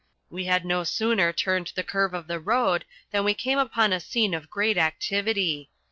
We had no sooner turned the curve of the road than we came upon a scene of great activity.